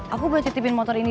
aku boleh titipin motor ini